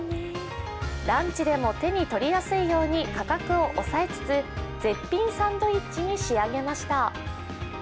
ランチでも手に取りやすいように価格を抑えつつ絶品サンドイッチに仕上げました。